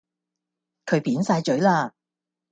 佢扁曬嘴啦